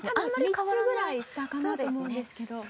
３つぐらい下かなと思うんですけど。